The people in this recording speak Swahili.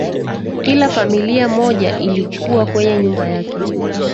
Kila familia moja ilikuwa kwenye nyumba yake